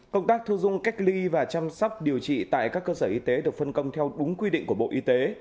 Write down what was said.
công tác thu dung cách ly và chăm sóc điều trị tại các cơ sở y tế được phân công theo đúng quy định của bộ y tế